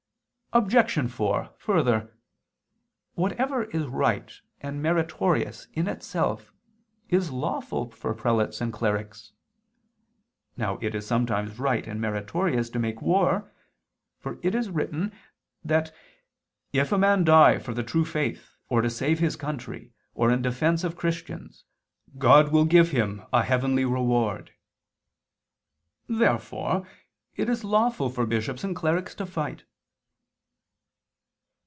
Obj. 4: Further, whatever is right and meritorious in itself, is lawful for prelates and clerics. Now it is sometimes right and meritorious to make war, for it is written (xxiii, qu. 8, can. Omni timore) that if "a man die for the true faith, or to save his country, or in defense of Christians, God will give him a heavenly reward." Therefore it is lawful for bishops and clerics to fight.